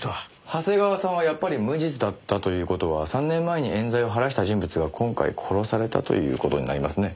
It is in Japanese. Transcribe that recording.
長谷川さんはやっぱり無実だったという事は３年前に冤罪を晴らした人物が今回殺されたという事になりますね。